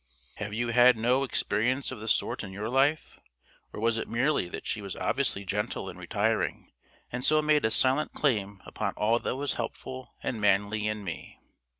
Have you had no experience of the sort in your life? Or was it merely that she was obviously gentle and retiring, and so made a silent claim upon all that was helpful and manly in me?